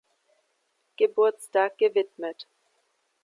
Geburtstag gewidmet.